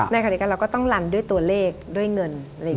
ในความรู้สึกเราก็ต้องหลั่นด้วยตัวเลขด้วยเงิน